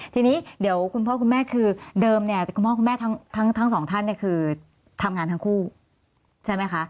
ทีนี้เดี๋ยวคุณพ่อคุณแม่คือเดิมเนี่ยคุณพ่อคุณแม่ทั้งสองท่านเนี่ยคือทำงานทั้งคู่ใช่ไหมคะ